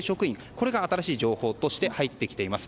これが新しい情報として入ってきています。